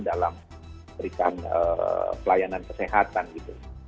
dalam pelayanan kesehatan gitu